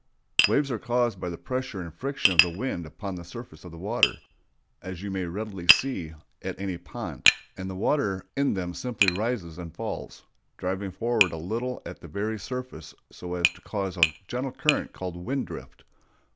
Waves are caused by the pressure and friction of the wind upon the surface of the water, as you may readily see at any pond; and the water in them simply rises and falls, driving forward a little at the very surface so as to cause a gentle current called wind drift.